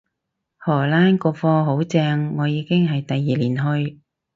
荷蘭個課好正，我已經係第二年去